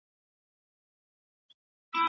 د هيواد ملي ګټي تل خوندي وساتئ.